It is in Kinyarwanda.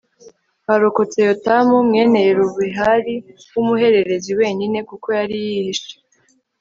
harokotse yotamu, mwene yerubehali w'umuhererezi wenyine, kuko yari yihishe